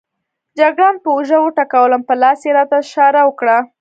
جګړن پر اوږه وټکولم، په لاس یې راته اشاره وکړه.